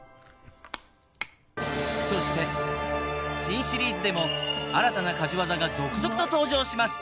そして新シリーズでも新たな家事ワザが続々と登場します